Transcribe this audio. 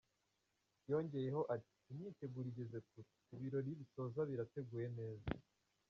Yongeyeho ati "Imyiteguro igeze kure, ibirori bisoza birateguye neza.